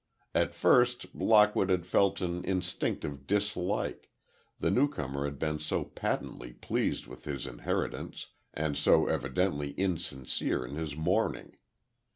At first, Lockwood had felt an instinctive dislike, the newcomer had been so patently pleased with his inheritance, and so evidently insincere in his mourning.